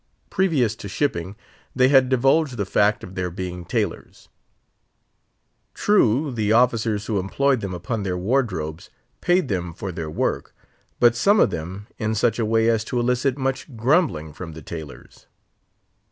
Previous to shipping they had divulged the fact of their being tailors. True, the officers who employed them upon their wardrobes paid them for their work, but some of them in such a way as to elicit much grumbling from the tailors.